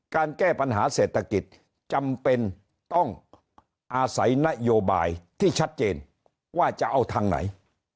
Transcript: การแก้ปัญหาเศรษฐกิจจำเป็นต้องอาศัยนโยบายที่ชัดเจนว่าจะเอาทางไหน